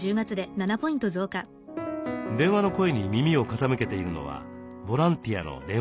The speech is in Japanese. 電話の声に耳を傾けているのはボランティアの電話相談員。